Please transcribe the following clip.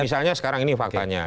misalnya sekarang ini faktanya